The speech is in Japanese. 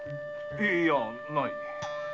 いいやない。